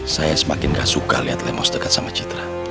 saya semakin gak suka lihat lemos dekat sama citra